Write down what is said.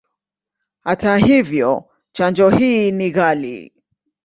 Hata hivyo, chanjo hii ni ghali.